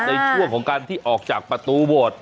ในช่วงของการที่ออกจากประตูโหวต